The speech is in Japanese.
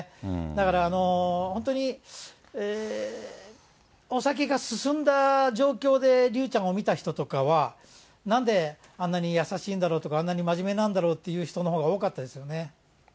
だから本当に、お酒が進んだ状況で竜ちゃんを見た人とかは、なんで、あんなに優しいんだろうとか、あんなに真面目なんだろうって言う人のほうが多かったですよね。